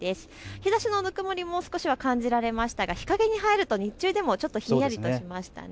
日ざしのぬくもりも少しは感じられましたが日陰に入ると日中でもちょっとひんやりしました。